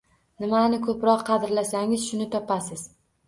Nimani ko’proq qadrlasangiz shuni topasiz